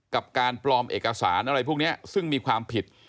การปลอมเอกสารอะไรพวกนี้ซึ่งมีความผิด